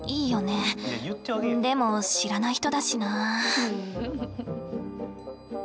でも知らない人だしな。